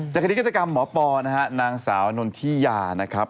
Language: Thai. จากคณิตกรรมหมอปอล์นะฮะนางสาวอนนที่ยานะครับ